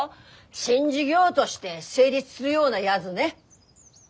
新事業どして成立するようなやづね。